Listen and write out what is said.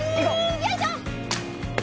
よいしょ！